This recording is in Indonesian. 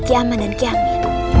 kiaman dan kiamin